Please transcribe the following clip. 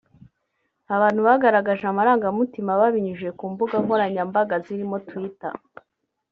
Abantu bagaragaje amarangamutima babinyujije ku mbuga nkoranyambaga zirimo Twitter